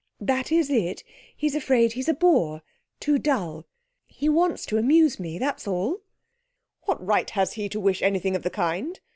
'That is it. He's afraid he's a bore too dull. He wants to amuse me. That's all.' 'What right has he to wish anything of the kind?